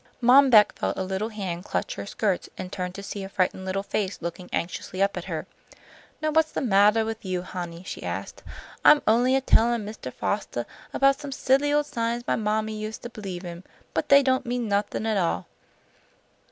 Mom Beck felt a little hand clutch her skirts, and turned to see a frightened little face looking anxiously up at her. "Now, what's the mattah with you, honey?" she asked. "I'm only a tellin' Mistah Fostah about some silly old signs my mammy used to believe in. But they don't mean nothin' at all."